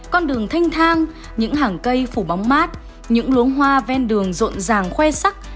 con đường thanh thang những hàng cây phủ bóng mát những luống hoa ven đường rộn ràng khoe sắc